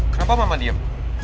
kenapa mama diem